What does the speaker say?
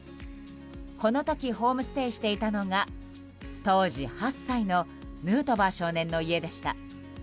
この時ホームステイしていたのが当時８歳のヌートバー少年の家でした。